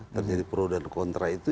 terjadi pro dan kontra itu